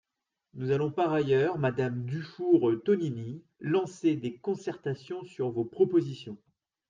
Nous allons par ailleurs, madame Dufour-Tonini, lancer des concertations sur vos propositions.